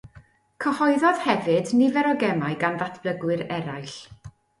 Cyhoeddodd hefyd nifer o gemau gan ddatblygwyr eraill.